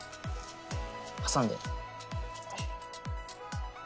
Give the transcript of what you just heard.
挟んで。